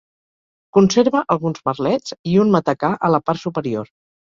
Conserva alguns merlets i un matacà a la part superior.